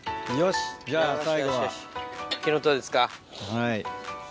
はい。